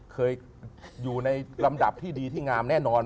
เคยอยู่ในลำดับที่ดีที่งามแน่นอน